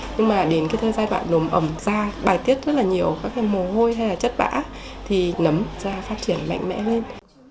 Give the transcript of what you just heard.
nhưng mà đến cái thời gian bạn nồng ẩm da bài tiết rất là nhiều các mồ hôi hay là chất bã thì nấm da phát triển mạnh mẽ lên